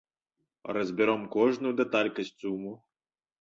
Разбяром кожную дэталь касцюму.